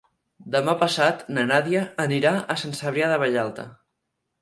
Demà passat na Nàdia anirà a Sant Cebrià de Vallalta.